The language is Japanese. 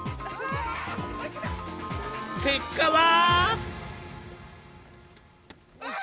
結果は！